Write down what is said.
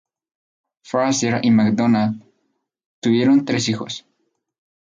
Fraser y McDonald tuvieron tres hijos.